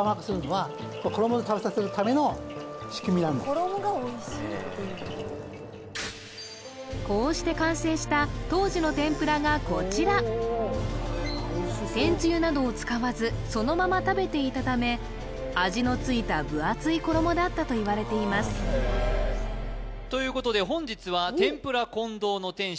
そしてこうして完成した当時の天ぷらがこちら天つゆなどを使わずそのまま食べていたため味のついた分厚い衣だったといわれていますということで本日はてんぷら近藤の店主